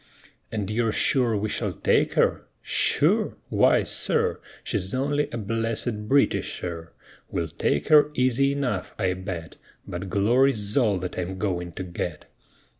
"And you're sure we shall take her?" "Sure? Why, sir, She's only a blessed Britisher! We'll take her easy enough, I bet; But glory's all that I'm going to get!"